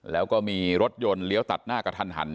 แล้วก็มีรถยนต์เลี้ยวตัดหน้ากระทันหัน